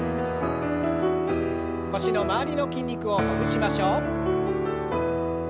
腰の周りの筋肉をほぐしましょう。